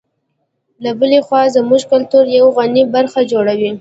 له بلې خوا زموږ کلتور یوه غني برخه جوړوي.